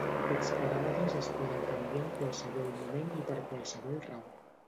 Aquests paràmetres es poden canviar en qualsevol moment i per qualsevol raó.